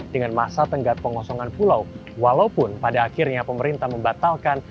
pemerintah di teluk pulau walaupun pada akhirnya pemerintah membatalkan